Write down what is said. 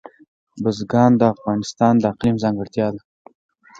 بزګان د افغانستان د اقلیم ځانګړتیا ده.